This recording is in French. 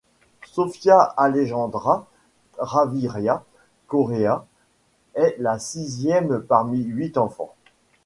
Sofia Alejandra Gaviria Correa, est la sixième parmi huit enfants.